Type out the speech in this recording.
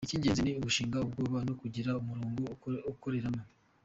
Icy’ingenzi ni ugushira ubwoba no kugira umurongo ukoreramo.